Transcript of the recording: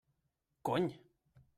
Cony!